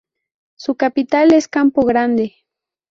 Su capital es Campo Grande.